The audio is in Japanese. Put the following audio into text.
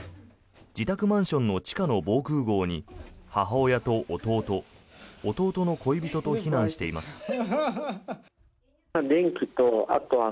自宅マンションの地下の防空壕に母親と弟弟の恋人と避難しています。